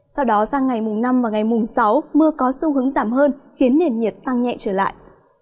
sau đó sang ngày mùng năm và ngày mùng sáu mưa có xu hướng giảm hơn khiến nền nhiệt tăng nhẹ trở lại